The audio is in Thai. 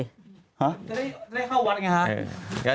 จะได้เข้าวัดอย่างไรครับ